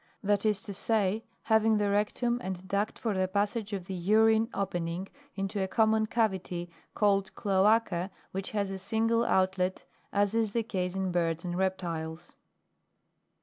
That is to say, having the rectum and duct for the passage of the urine opening into a common cavity, called cloaca which has a single outlet, as is the case in birds and reptiles.